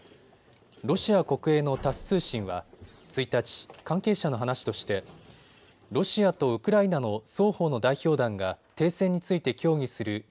ロシア国営のタス通信は１日、関係者の話としてロシアとウクライナの双方の代表団が停戦について協議する